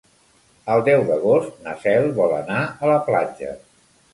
El deu d'agost na Cel vol anar a la platja.